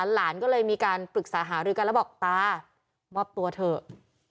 หลานก็เลยมีการปรึกษาหารือกันแล้วบอกตามอบตัวเถอะ